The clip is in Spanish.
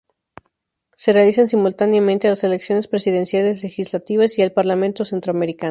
Se realizan simultáneamente a las elecciones presidenciales, legislativas y al parlamento centroamericano.